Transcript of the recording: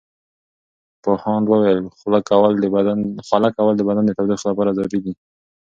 پوهاند وویل خوله کول د بدن د تودوخې لپاره ضروري دي.